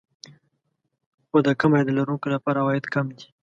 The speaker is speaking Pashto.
خو د کم عاید لرونکو لپاره عواید کم دي